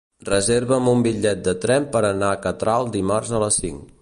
Reserva'm un bitllet de tren per anar a Catral dimarts a les cinc.